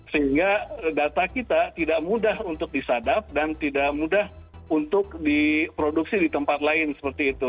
sehingga data kita tidak mudah untuk disadap dan tidak mudah untuk diproduksi di tempat lain seperti itu